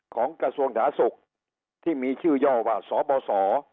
ของกระทรวงฐาสุขที่มีชื่อย่อว่าสบส